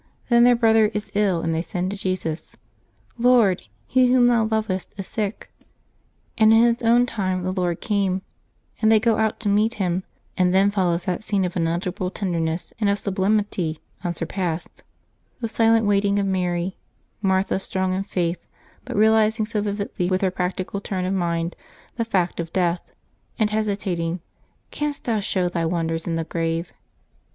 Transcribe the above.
Then, their brother is ill, and they send to Jesus, "Lord, he whom Thou lovest is sick.^' And in His own time the Lord came, and they go out to meet Him; and then follows that scene of unutterable tenderness and of sublimity un surpassed: the silent waiting of Mary; Martha strong in faith, but realizing so vividly, with her practical turn of mind, the fact of death, and hesitating :" Canst Thou show Thy wonders in the grave